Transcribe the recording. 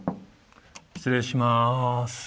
失礼します。